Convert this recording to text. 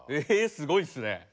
すごいっすね。